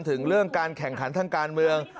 ถึงเรื่องการแข่งขันทางการเมือง